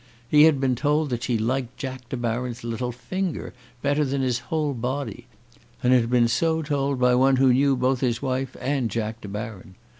He had been told that she liked Jack De Baron's little finger better than his whole body, and had been so told by one who knew both his wife and Jack De Baron.